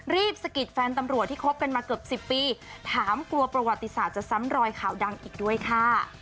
สะกิดแฟนตำรวจที่คบกันมาเกือบ๑๐ปีถามกลัวประวัติศาสตร์จะซ้ำรอยข่าวดังอีกด้วยค่ะ